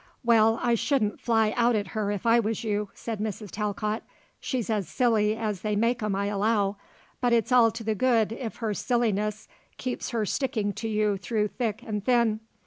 "Well, I shouldn't fly out at her if I was you," said Mrs. Talcott. "She's as silly as they make 'em, I allow, but it's all to the good if her silliness keeps her sticking to you through thick and thin.